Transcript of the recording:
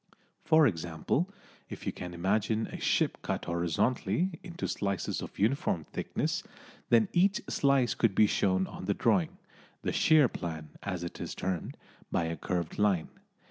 For example, if you can imagine a ship cut horizontally into slices of uniform thickness, then each slice could be shown on the drawing (the "shear plan," as it is termed) by a curved line.